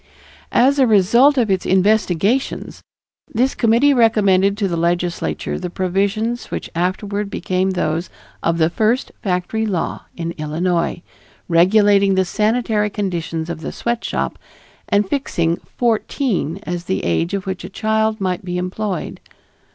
As a result of its investigations, this committee recommended to the Legislature the provisions which afterward became those of the first factory law of Illinois, regulating the sanitary conditions of the sweatshop and fixing fourteen as the age at which a child might be employed.